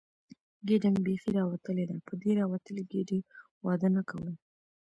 ګېډه مې بیخي راوتلې ده، په دې راوتلې ګېډې واده نه کوم.